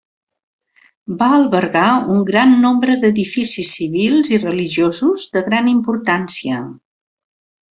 Va albergar un gran nombre d'edificis civils i religiosos de gran importància.